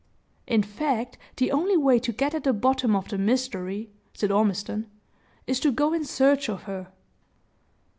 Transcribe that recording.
"In fact, the only way to get at the bottom of the mystery," said Ormiston, "is to go in search of her.